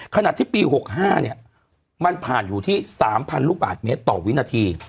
ขณะที่ปี๖๕เนี่ยมันผ่านอยู่ที่๓๐๐ลูกบาทเมตรต่อวินาที